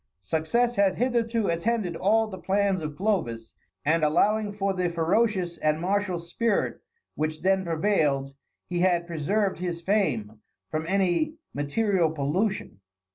Success had hitherto attended all the plans of Clovis, and allowing for the ferocious and martial spirit which then prevailed, he had preserved his fame from any material pollution.